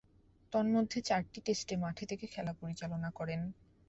তন্মধ্যে চারটি টেস্টে মাঠে থেকে খেলা পরিচালনা করেন।